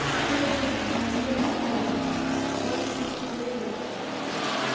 Still away, my lithe Arab, once more away!